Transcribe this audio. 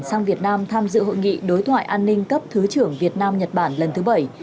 sang việt nam tham dự hội nghị đối thoại an ninh cấp thứ trưởng việt nam nhật bản lần thứ bảy